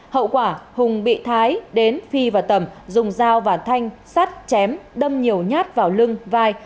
hậu quả hùng bị thái đến phi và tầm dùng dao và thanh sắt chém đâm nhiều nhát vào lưng vai